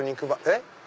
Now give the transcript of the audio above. えっ？